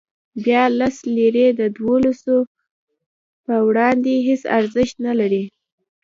بیا لس لیرې د دولسو په وړاندې هېڅ ارزښت نه لري.